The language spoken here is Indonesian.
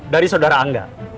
dari saudara anda